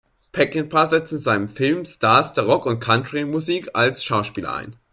Peckinpah setzt in seinem Film Stars der Rock- und Country-Musik als Schauspieler ein.